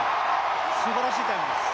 素晴らしいタイムです